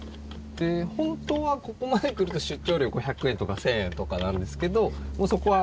本当はここまで来ると出張料５００円とか１０００円とかなんですけど。